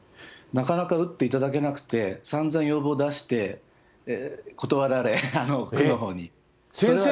なかなか打っていただけなくて、さんざん要望出して断られ、区のほうに。